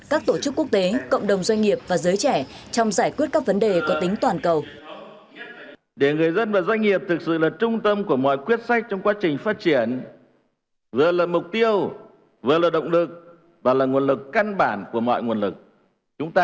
các tổ chức quốc tế cộng đồng doanh nghiệp và giới trẻ trong giải quyết